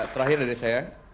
terakhir dari saya